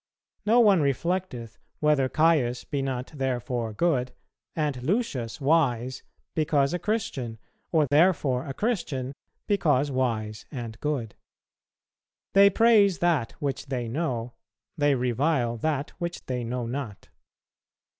No one reflecteth whether Caius be not therefore good and Lucius wise because a Christian, or therefore a Christian because wise and good. They praise that which they know, they revile that which they know not.